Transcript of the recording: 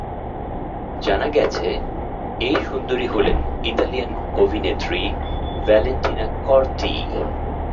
জানা গেছে, এই সুন্দরী হলেন ইতালিয়ান অভিনেত্রী ভ্যালেন্টিনা কর্তি।